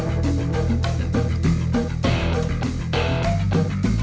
saya selalu dikepung